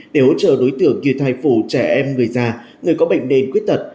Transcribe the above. để hỗ trợ đối tượng như thai phụ trẻ em người già người có bệnh đền khuyết tật